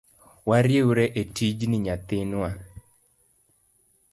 Wariwre etijni nyaminwa.